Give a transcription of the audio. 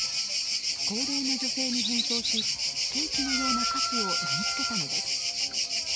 高齢の女性に変装しケーキのような菓子を投げつけたのです。